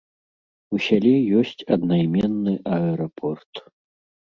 У сяле ёсць аднайменны аэрапорт.